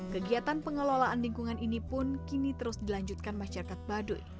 kegiatan pengelolaan lingkungan ini pun kini terus dilanjutkan masyarakat baduy